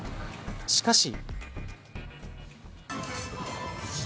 しかし。